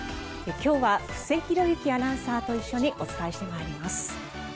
今日は布施宏倖アナウンサーと一緒にお伝えしてまいります。